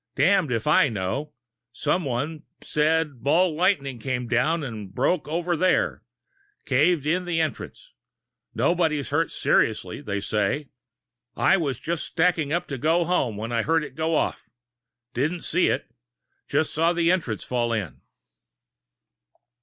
"Damned if I know. Someone, says a ball lightning came down and broke over there. Caved in the entrance. Nobody's hurt seriously, they say. I was just stacking up to go home when I heard it go off. Didn't see it. Just saw the entrance falling in."